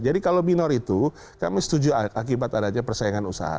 jadi kalau minor itu kami setuju akibat adanya persaingan usaha